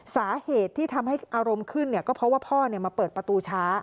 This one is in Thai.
สาเหตุที่ทำให้อารมณ์ขึ้นก็เพราะว่าพ่อมาเปิดประตูช้า